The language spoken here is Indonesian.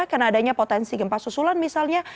karena adanya potensi gempas susulan misalnya